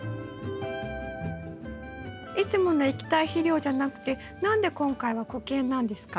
いつもの液体肥料じゃなくて何で今回は固形なんですか？